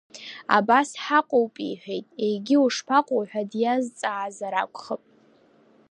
Абас ҳаҟоуп иҳәеит, егьи ушԥаҟоу ҳәа диазҵаазар акәхап.